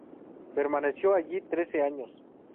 Permaneció allí trece años.